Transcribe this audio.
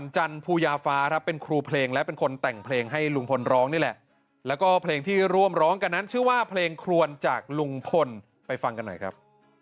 จากลุงพลไปฟังกันหน่อยครับ